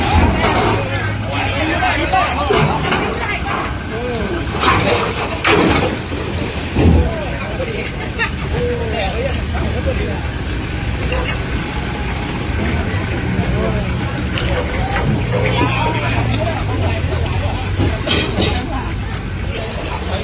สวัสดีครับ